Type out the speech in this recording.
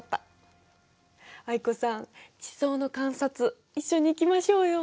藍子さん地層の観察一緒に行きましょうよ。